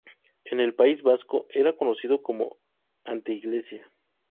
En el País Vasco era conocido como anteiglesia.